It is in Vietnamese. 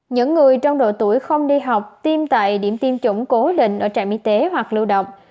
những người trong độ tuổi không đi học tiêm tại điểm tiêm chủng cố định ở trạm y tế hoặc lưu động